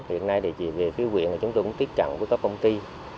hiện nay chỉ về khí quyện chúng tôi cũng tiếp cận với các công ty